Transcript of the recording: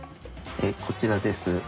こちらです。